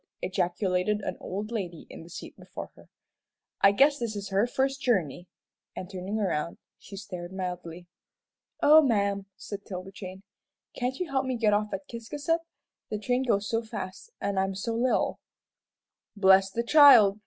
ejaculated an old lady in the seat before her, "I guess this is her first journey," and turning around, she stared mildly. "Oh, ma'am," said 'Tilda Jane, "can't you help me get off at Ciscasset? The train goes so fast, an' I'm so little." "Bless the child!"